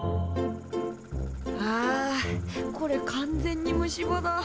あこれ完全に虫歯だ。